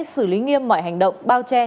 xử lý nghiêm mọi hành động bao che